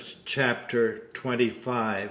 CHAPTER TWENTY SIX.